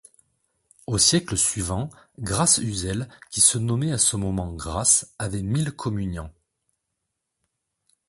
Au siècle suivant, Grâce-Uzel, qui se nommait à ce moment Grace, avait mille communiants.